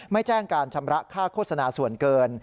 แจ้งการชำระค่าโฆษณาส่วนเกิน